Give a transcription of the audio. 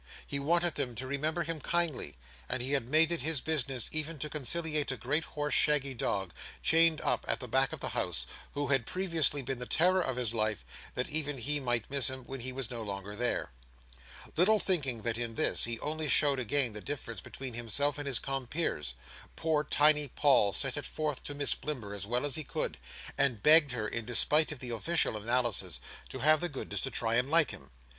He wanted them to remember him kindly; and he had made it his business even to conciliate a great hoarse shaggy dog, chained up at the back of the house, who had previously been the terror of his life: that even he might miss him when he was no longer there. Little thinking that in this, he only showed again the difference between himself and his compeers, poor tiny Paul set it forth to Miss Blimber as well as he could, and begged her, in despite of the official analysis, to have the goodness to try and like him.